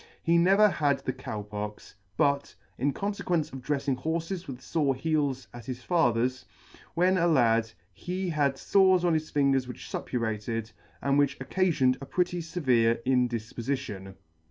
He never had the Cow Pox ; but, in con fequence of dreifing horfes with fore heels at his father's, when a lad, he had fores on his fingers which fuppurated, and which occafioned a pretty fevere indifpofition.